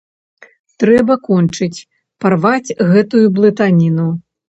Трэба кончыць, парваць гэтую блытаніну.